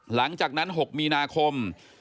หลังจากนั้น๖มีนาคม